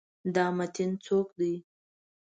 دا متین څوک دی؟